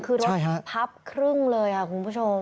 คือรถพับครึ่งเลยค่ะคุณผู้ชม